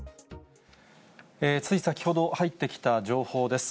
つい先ほど入ってきた情報です。